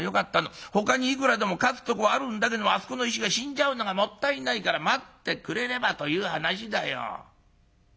ほかにいくらでも勝つとこはあるんだけどもあそこの石が死んじゃうのがもったいないから待ってくれればという話だよ。